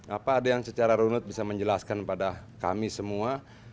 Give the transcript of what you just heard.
apa ada yang secara runut bisa menjelaskan pada kami semua